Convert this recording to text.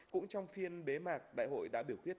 cũng trong phiên bế mạc đại hội đã biểu quyết